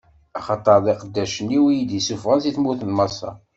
Axaṭer d iqeddacen-iw i d-ssufɣeɣ si tmurt n Maṣer.